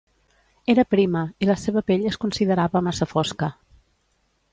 Era prima i la seva pell es considerava massa fosca.